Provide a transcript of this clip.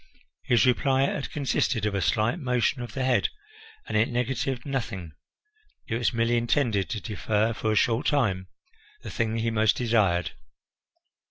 His reply had consisted of a slight motion of the head, and it negatived nothing; it was merely intended to defer for a short time the thing he most desired.